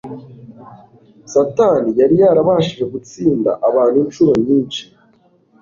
Satani yari yarabashije gutsinda abantu incuro nyinshi